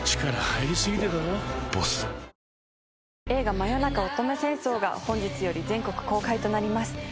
映画『真夜中乙女戦争』が本日より全国公開となります。